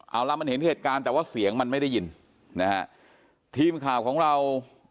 เอาล่ะมันเห็นเหตุการณ์แต่ว่าเสียงมันไม่ได้ยินนะฮะทีมข่าวของเรา